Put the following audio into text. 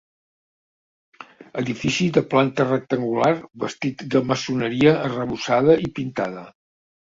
Edifici de planta rectangular bastit de maçoneria arrebossada i pintada.